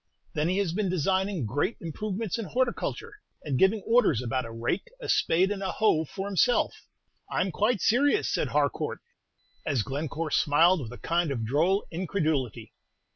Then he has been designing great improvements in horticulture, and giving orders about a rake, a spade, and a hoe for himself. I 'm quite serious," said Harcourt, as Glencore smiled with a kind of droll incredulity.